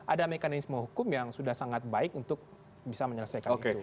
ada mekanisme hukum yang sudah sangat baik untuk bisa menyelesaikan itu